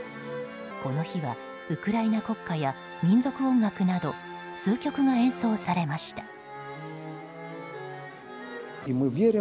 この日はウクライナ国歌や民族音楽など数曲が演奏されました。